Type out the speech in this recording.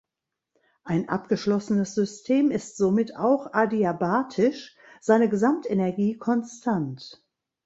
Ein abgeschlossenes System ist somit auch adiabatisch, seine Gesamtenergie konstant.